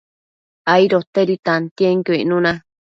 aidotedi tantienquio icnuna